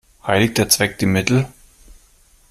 Heiligt der Zweck die Mittel?